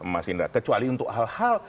mas indra kecuali untuk hal hal